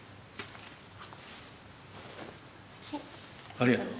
ありがとう。